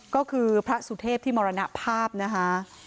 ก็คือพระสุเทพที่มรณภาพนะคะ